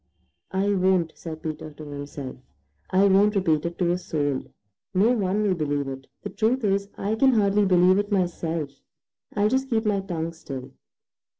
"I won't," said Peter to himself. "I won't repeat it to a soul. No one will believe it. The truth is, I can hardly believe it myself. I'll just keep my tongue still."